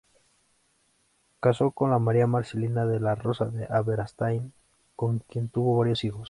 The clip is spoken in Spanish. Casó con María Marcelina de la Rosa de Aberastain, con quien tuvo varios hijos.